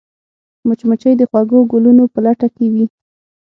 مچمچۍ د خوږو ګلونو په لټه کې وي